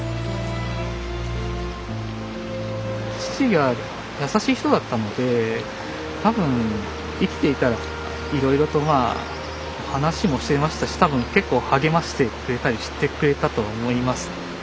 父が優しい人だったので多分生きていたらいろいろとまあ話もしていましたし多分結構励ましてくれたりしてくれたと思います。